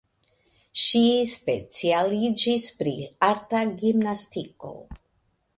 Ŝi specialiĝis pri arta gimnastiko.